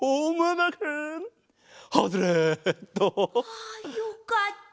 あよかった。